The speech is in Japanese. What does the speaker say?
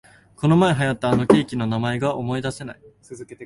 このまえ流行ったあのケーキの名前が思いだせない